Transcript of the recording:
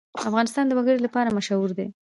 افغانستان د وګړي لپاره مشهور دی.